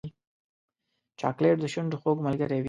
چاکلېټ د شونډو خوږ ملګری وي.